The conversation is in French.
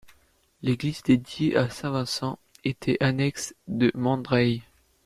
L’église, dédiée à saint Vincent, était annexe de Mandray.